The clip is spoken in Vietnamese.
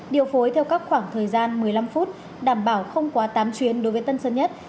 điều phối theo các khoảng thời gian một mươi năm phút đảm bảo không quá tám chuyến đối với tân sơn nhất